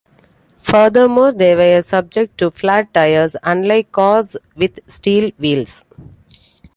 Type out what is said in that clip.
Furthermore, they were subject to flat tyres, unlike cars with steel wheels.